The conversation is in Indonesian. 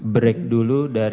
break dulu dari